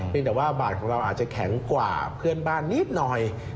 เป็นแต่ว่าบาทของเราอาจจะแข็งกว่าเพื่อนบ้านนิดหน่อย